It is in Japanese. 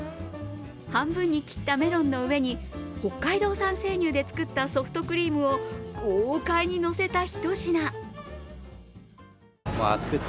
半分に切ったメロンの上に、北海道産生乳で作ったソフトクリームを豪快にのせたひと品。